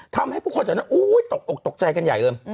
ทำให้ผู้คนแถวนั้นตกอกตกใจกันใหญ่เลย